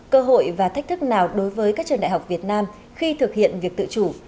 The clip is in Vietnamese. cơ hội và thách thức nào đối với các trường đại học việt nam khi thực hiện việc tự chủ